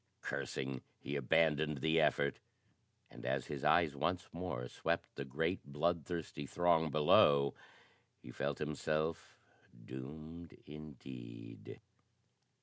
Cursing, he abandoned the effort, and, as his eyes once more swept the great bloodthirsty throng below, he felt himself doomed indeed.